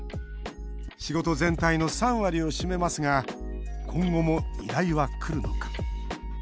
仕事全体の３割を占めますが今後も依頼はくるのか。